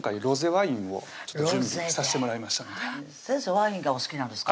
ワインがお好きなんですか？